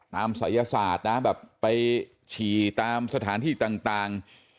ศัยศาสตร์นะแบบไปฉี่ตามสถานที่ต่าง